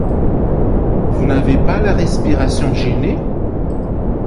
Vous n'avez pas la respiration gênée ?